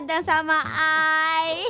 den sama ai